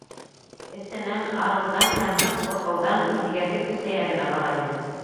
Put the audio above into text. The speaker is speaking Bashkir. Эҫенән, арыуҙан һәм ныҡ ҡурҡыуҙан биҙгәге көсәйә генә бара ине.